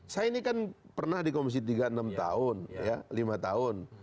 saya ini kan pernah di komisi tiga enam tahun ya lima tahun